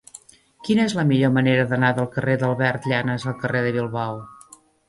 Quina és la millor manera d'anar del carrer d'Albert Llanas al carrer de Bilbao?